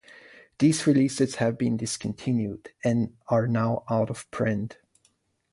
These releases have been discontinued and are now out of print.